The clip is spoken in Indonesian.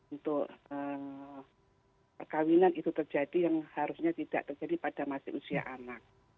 untuk perkawinan itu terjadi yang harusnya tidak terjadi pada masih usia anak